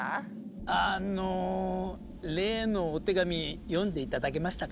あの例のお手紙読んでいただけましたか？